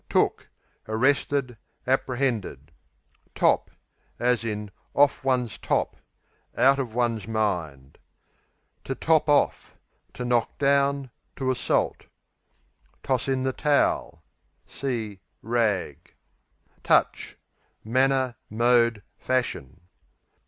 Took Arrested; apprehended. Top, off one's Out of one's mind. Top off, to To knock down; to assault. Toss in the towel See "rag." Touch Manner; mode; fashion.